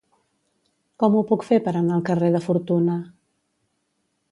Com ho puc fer per anar al carrer de Fortuna?